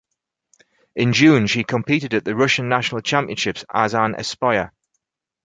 In June she competed at the Russian National Championships as an Espoir.